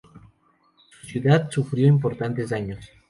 La ciudad sufrió importantes daños.